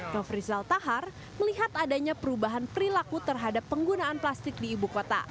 nofrizal tahar melihat adanya perubahan perilaku terhadap penggunaan plastik di ibu kota